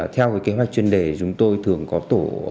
theo kế hoạch chuyên đề chúng tôi thường có tổ